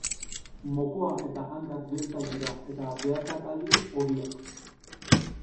Mokoa eta hankak beltzak dira eta behatzak aldiz horiak.